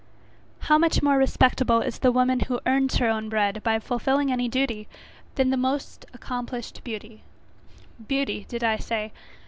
How much more respectable is the woman who earns her own bread by fulfilling any duty, than the most accomplished beauty! beauty did I say?